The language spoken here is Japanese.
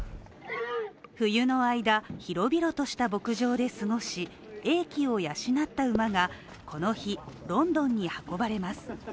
冬の間、広々とした牧場で過ごし、英気を養った馬がこの日、ロンドンに運ばれます。